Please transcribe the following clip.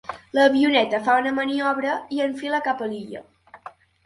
L'avioneta fa una maniobra i enfila cap a l'illa.